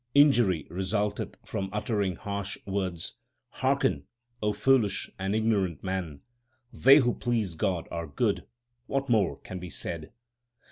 Injury resulteth from uttering harsh words ; hearken, O foolish and ignorant man. They who please God are good ; what more can be said